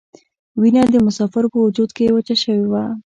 وینه د مسافرو په وجود کې وچه شوې وه.